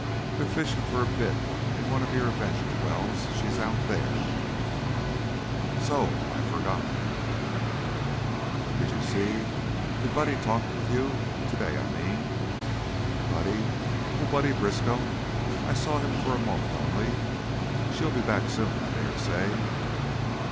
"They're fishin' for a bit in one of your Avenger wells. She's out there." "So? I'd forgotten." "Did you see ? Did Buddy have a talk with you? To day, I mean?" "Buddy? Oh, Buddy Briskow! I saw him for a moment only. She'll be back soon, I dare say?"